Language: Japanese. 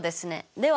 では